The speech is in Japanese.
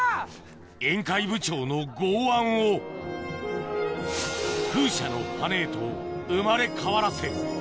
宴会部長の剛腕を風車の羽根へと生まれ変わらせ